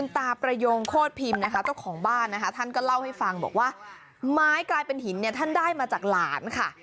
ท่านก็เล่าให้ฟังบอกว่าไม้กลายเป็นหินเนี่ยท่านได้มาจากหลานค่ะ